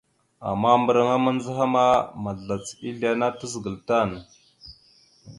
Ama mbəraŋa mandzəhaŋa ma, azlac ezle ana tazəgal.